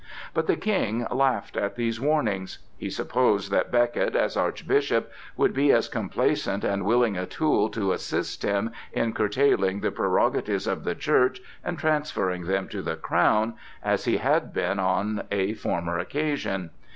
But the King laughed at these warnings. He supposed that Becket, as Archbishop, would be as complaisant and willing a tool to assist him in curtailing the prerogatives of the Church and transferring them to the crown, as he had been on a former occasion.